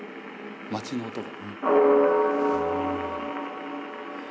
街の音が。